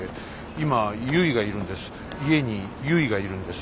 今ゆいがいるんです